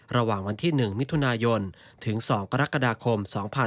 ระหว่างวันที่๑มิถุนายนถึง๒กรกฎาคม๒๕๖๒